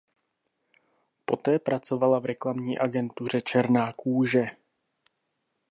Poté pracovala v reklamní agentuře Černá růže.